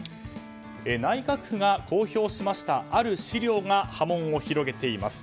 内閣府が公表したある資料が波紋を広げています。